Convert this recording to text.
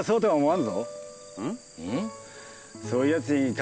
ん？